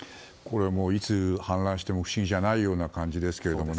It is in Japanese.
いつ氾濫しても不思議じゃない感じですけど。